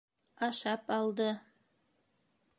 Ашап алды.